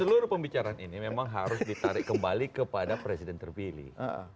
seluruh pembicaraan ini memang harus ditarik kembali kepada presiden terpilih